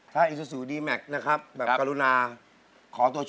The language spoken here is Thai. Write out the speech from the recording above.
ที่ที่สุดดีแบบหมายแรก๗